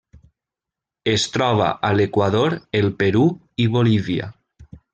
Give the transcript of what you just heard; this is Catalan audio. Es troba a l'Equador, el Perú i Bolívia.